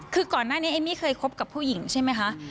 คือก่อนหน้านี้เอมมี่เคยคบกับผู้หญิงใช่ไหมคะ